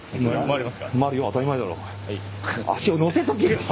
足をのせとけよ。